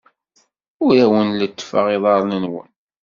Ur awen-lettfeɣ iḍarren-nwen.